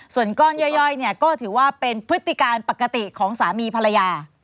ส่วนก้อนย่อยเนี่ยก็ถือว่าเป็นพฤติการปกติของสามีภรรยา